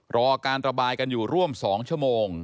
รอการระบายกันอยู่ร่วม๒ชั่วโมง